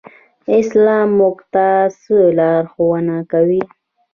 اسلام موږ ته څه لارښوونه کوي؟